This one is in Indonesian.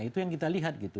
itu yang kita lihat gitu